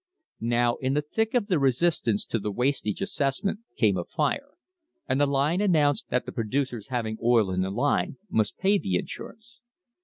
Now in the thick of the resistance to the wastage assessment came a fire and the line announced that the producers having oil in the line must pay the insurance.